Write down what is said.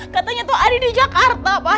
katanya tuh adi di jakarta